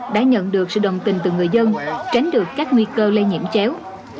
đã nhận được sự đồng tình từ người dân tránh được các nguy cơ lây nhiễm chéo